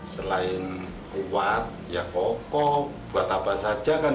selain kuat ya kokoh buat apa saja kan